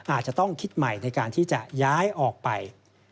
อาจจะต้องคิดใหม่ในการที่จะย้ายออกไป